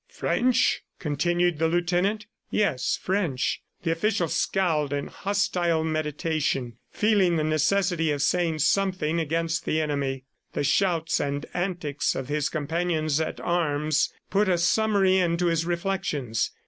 "French?" continued the lieutenant. "Yes, French." ... The official scowled in hostile meditation, feeling the necessity of saying something against the enemy. The shouts and antics of his companions at arms put a summary end to his reflections.